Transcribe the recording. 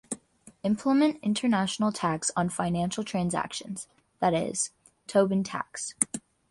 Implement international tax on financial transactions, that is, Tobin tax.